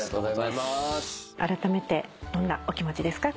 あらためてどんなお気持ちですか？